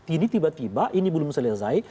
ini tiba tiba ini belum selesai